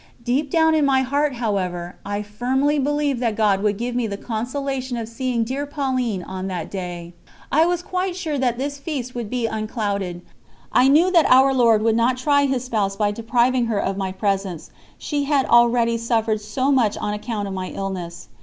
Deep down in my heart, however, I firmly believed that God would give me the consolation of seeing dear Pauline on that day. I was quite sure that this feast would be unclouded; I knew that Our Lord would not try His Spouse by depriving her of my presence, she had already suffered so much on account of my illness.